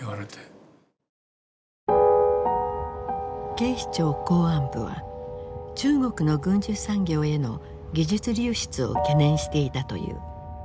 警視庁公安部は中国の軍需産業への技術流出を懸念していたという。